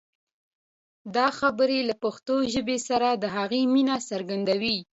دا خبرې له پښتو ژبې سره د هغه مینه څرګندوي.